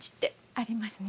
ありますね。